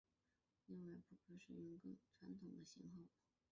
另外还可使用更传统的型号。